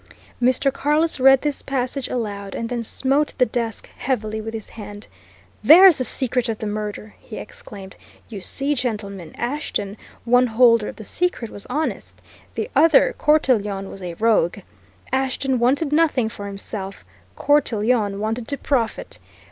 '" Mr. Carless read this passage aloud, and then smote the desk heavily with his hand. "There's the secret of the murder!" he exclaimed. "You see, gentlemen, Ashton, one holder of the secret, was honest; the other, Cortelyon, was a rogue. Ashton wanted nothing for himself; Cortelyon wanted to profit.